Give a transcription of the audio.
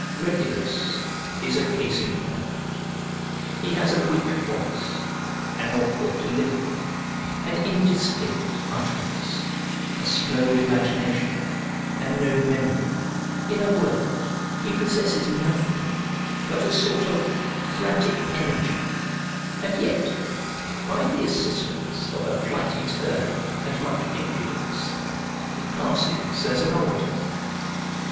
Regulus is a case in point: he has a weak voice, an awkward delivery, an indistinct utterance, a slow imagination, and no memory; in a word, he possesses nothing but a sort of frantic energy: and yet, by the assistance of a flighty turn and much impudence, he passes as an orator.